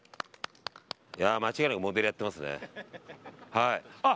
間違いなくモデルやってますね。